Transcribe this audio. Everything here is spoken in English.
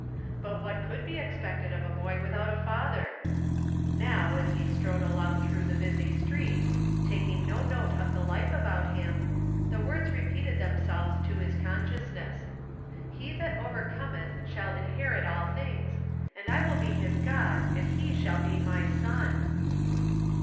But what could be expected of a boy without a father ? Now, as he strode along through the busy street, taking no note of the life about him, the words repeated themselves to his consciousness :" He that over cometh shall inherit all things ; and I will be his God, and he shall be my son